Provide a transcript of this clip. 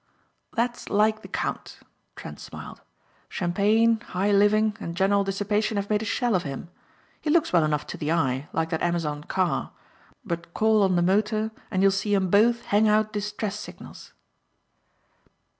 "That's like the count," Trent smiled, "champagne, high living and general dissipation have made a shell of him. He looks well enough to the eye, like that Amazon car, but call on the motor and you'll see 'em both hang out distress signals."